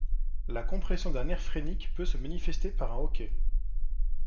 La compression d'un nerf phrénique peut se manifester par un hoquet.